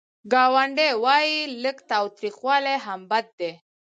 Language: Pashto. ګاندي وايي لږ تاوتریخوالی هم بد دی.